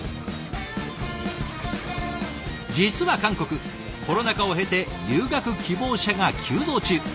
実は韓国コロナ禍を経て留学希望者が急増中。